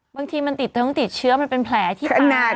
บางทีมันติดทั้งติดเชื้อมันเป็นแผลที่ตาย